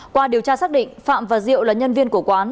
qua điều tra xác định phạm và diệu là nhân viên của quán